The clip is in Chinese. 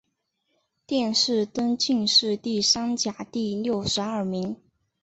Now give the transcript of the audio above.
殿试登进士第三甲第六十二名。